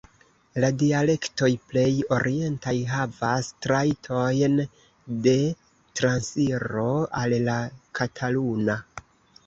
La dialektoj plej orientaj havas trajtojn de transiro al la kataluna.